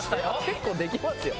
結構できますよ。